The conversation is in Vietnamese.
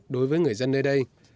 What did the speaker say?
đối với người dân nơi đây